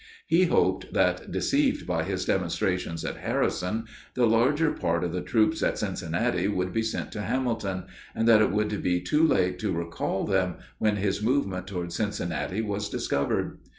He hoped that, deceived by his demonstrations at Harrison, the larger part of the troops at Cincinnati would be sent to Hamilton, and that it would be too late to recall them when his movement toward Cincinnati was discovered.